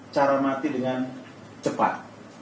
cara mati dengan cepat